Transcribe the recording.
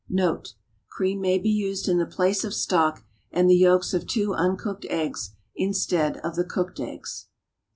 Note. Cream may be used in the place of stock, and the yolks of two uncooked eggs instead of the cooked eggs.